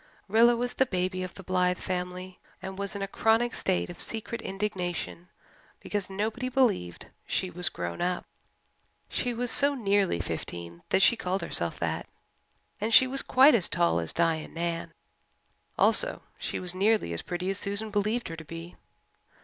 Rilla was the "baby" of the Blythe family and was in a chronic state of secret indignation because nobody believed she was grown up. She was so nearly fifteen that she called herself that, and she was quite as tall as Di and Nan; also, she was nearly as pretty as Susan believed her to be.